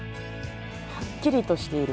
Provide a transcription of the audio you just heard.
はっきりとしている。